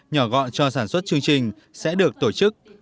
nhỏ gọn cho sản xuất chương trình sẽ được tổ chức